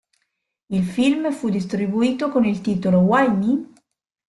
Il film fu distribuito con il titolo "Why Me?